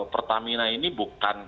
pertamina ini bukan